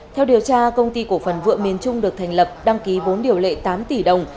theo điều tra công ty cổ phần vượng miền trung được thành lập đăng ký vốn điều lệ tám tỷ đồng